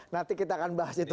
nanti kita akan bahas itu